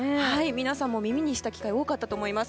皆さんも耳にした機会が多かったと思います。